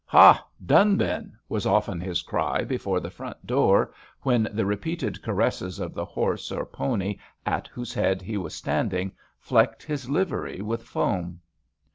" Ha ! done then !" was often his cry before the front door, when the repeated caresses of the horse or pony at whose head he was standing flecked his livery with foam.